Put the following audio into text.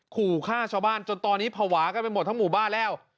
ขู่ฆ่าชาวบ้านจนตอนนี้ภาวะกันไปหมดทั้งหมู่บ้านแล้ว